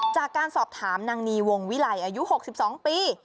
จากการสอบถามนางนีวงวิลัยอายุ๖๒ปี